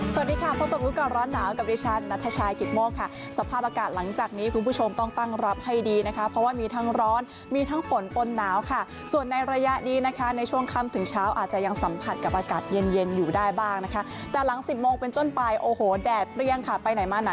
สวัสดีค่ะพบกับรู้ก่อนร้อนหนาวกับดิฉันนัทชายกิตโมกค่ะสภาพอากาศหลังจากนี้คุณผู้ชมต้องตั้งรับให้ดีนะคะเพราะว่ามีทั้งร้อนมีทั้งฝนปนหนาวค่ะส่วนในระยะนี้นะคะในช่วงค่ำถึงเช้าอาจจะยังสัมผัสกับอากาศเย็นเย็นอยู่ได้บ้างนะคะแต่หลังสิบโมงเป็นต้นไปโอ้โหแดดเปรี้ยงค่ะไปไหนมาไหน